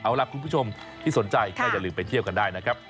เอาล่ะคุณผู้ชมที่สนใจก็อย่าลืมไปเที่ยวกันได้นะครับ